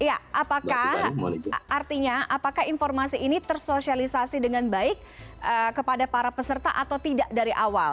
ya apakah artinya apakah informasi ini tersosialisasi dengan baik kepada para peserta atau tidak dari awal